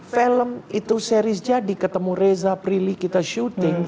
film itu series jadi ketemu reza prilly kita syuting